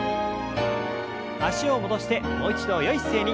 脚を戻してもう一度よい姿勢に。